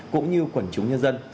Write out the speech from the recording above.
cũng như quần chúng nhân dân